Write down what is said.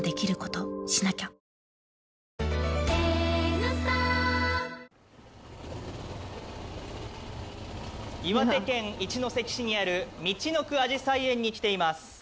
ニトリ岩手県一関市にあるみちのくあじさい園に来ています。